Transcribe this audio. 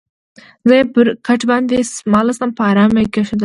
زه یې پر کټ باندې څملاستم، په آرامه یې کېښودلم.